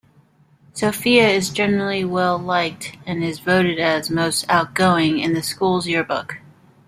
Sofia is generally well-liked and is voted as "Most Outgoing" in the school's yearbook.